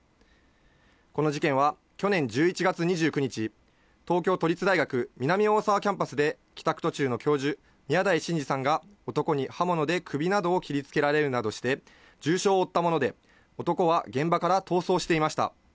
この事件は去年１１月２９日、東京都立大学・南大沢キャンパスで帰宅途中の教授・宮台真司さんが男に刃物で首などを切りつけられるなどして重傷を負ったもので、男は現場から逃走していました。